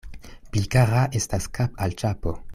Pli kara estas kap' al ĉapo.